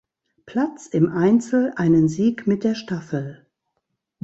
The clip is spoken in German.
Platz im Einzel einen Sieg mit der Staffel.